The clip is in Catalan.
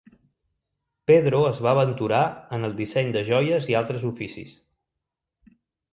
Pedro es va aventurar en el disseny de joies i altres oficis.